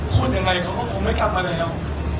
พูดยังไงเขาก็คงไม่กลับมาแล้ว